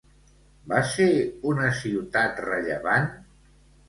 Va ser una ciutat rellevant?